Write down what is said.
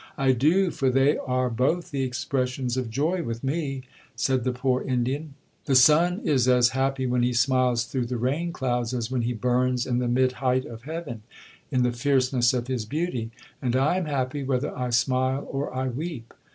'—'I do,—for they are both the expressions of joy with me,' said the poor Indian; 'the sun is as happy when he smiles through the rain clouds, as when he burns in the mid height of heaven, in the fierceness of his beauty; and I am happy whether I smile or I weep.'